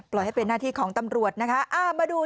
ปล่อยให้เป็นหน้าที่ของตำรวจนะคะ